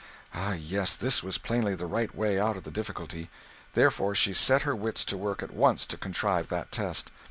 Ah, yes, this was plainly the right way out of the difficulty; therefore she set her wits to work at once to contrive that test.